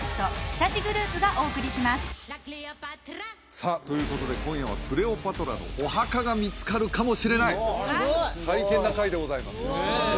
さあということで今夜はクレオパトラのお墓が見つかるかもしれない大変な回でございますねえ